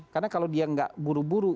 karena kalau dia nggak buru buru